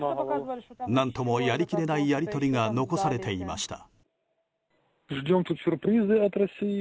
何ともやりきれないやり取りが残されていました。